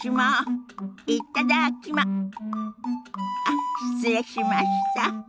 あっ失礼しました。